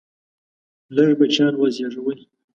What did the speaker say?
لږ بچیان وزیږوئ!